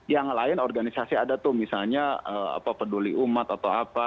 yang lain organisasi ada tuh misalnya peduli umat atau apa